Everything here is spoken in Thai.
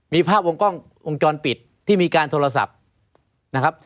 มีภาพวงจรปิดที่มีการโทรศัพท์นะครับ